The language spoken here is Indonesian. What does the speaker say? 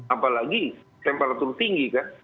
apalagi temperatur tinggi kan